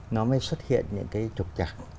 nó mới xuất hiện những cái trục trạng